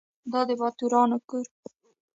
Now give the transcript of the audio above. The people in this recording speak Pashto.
دا د باتورانو کور .